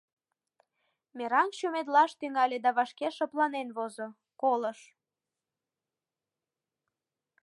Мераҥ чумедылаш тӱҥале да вашке шыпланен возо — колыш.